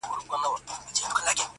چي دا مي څرنگه او چاته سجده وکړه؟؟